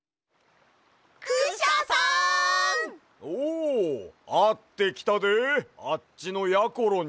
おあってきたであっちのやころに。